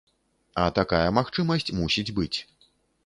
А такая магчымасць мусіць быць.